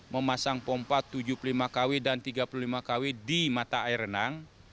memasang pompa tujuh puluh lima kw dan tiga puluh lima kw di mata air renang